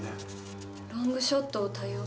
「ロングショットを多用」。